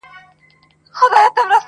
دا مه وايه چي ژوند تر مرگ ښه دی~